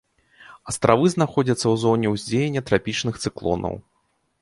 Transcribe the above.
Астравы знаходзяцца ў зоне ўздзеяння трапічных цыклонаў.